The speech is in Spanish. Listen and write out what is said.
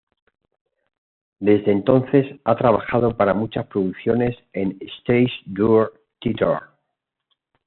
Desde entonces, ha trabajado para muchas producciones en el Stage Door Theater.